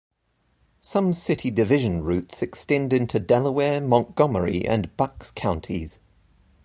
Some city division routes extend into Delaware, Montgomery and Bucks counties.